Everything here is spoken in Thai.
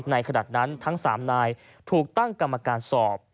ขณะนั้นทั้ง๓นายถูกตั้งกรรมการสอบ